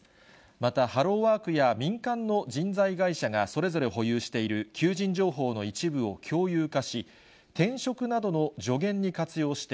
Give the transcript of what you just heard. また、ハローワークや民間の人材会社がそれぞれ保有している求人情報の一部を共有化し、以上、きょうコレをお伝えしました。